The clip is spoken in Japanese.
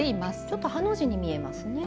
ちょっとハの字に見えますね。